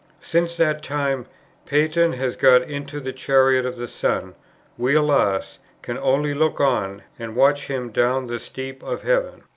Since that time Phaeton has got into the chariot of the sun; we, alas! can only look on, and watch him down the steep of heaven.